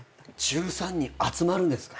１３人集まるんですか？